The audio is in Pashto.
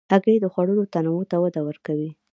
هګۍ د خوړو تنوع ته وده ورکوي.